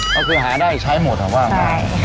ก็คือหาได้ใช้หมดหรือว่ามั้ย